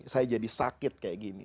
saya jadi sakit kayak gini